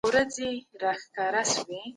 سياسي فعالانو عام وګړي د حقونو غوښتلو ته وهڅول.